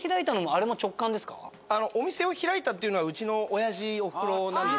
お店を開いたっていうのはうちのおやじおふくろなんです。